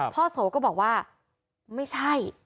โสก็บอกว่าไม่ใช่